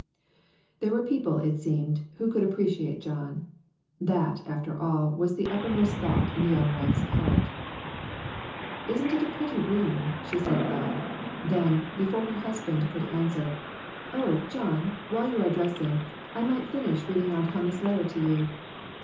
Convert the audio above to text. There were people, it seemed, who could appreciate John. That, after all, was the upper most thought in the young wife's heart. "Isn't it a pretty room?" she said aloud; then, before her husband could answer "Oh, John, while you are dressing, I might finish reading Aunt Hannah's letter to you.